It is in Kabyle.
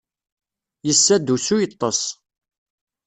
Yessa-d usu yeṭṭes.